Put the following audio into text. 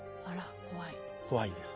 あら怖い。